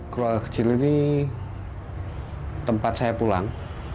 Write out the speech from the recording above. keluarga kecil ini tempat saya pulang